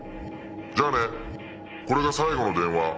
じゃあねこれが最後の電話。